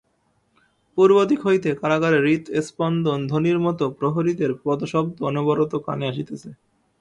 পূর্বদিক হইতে কারাগারের হৃৎস্পন্দন-ধ্বনির মতো প্রহরীদের পদশব্দ অনবরত কানে আসিতেছে।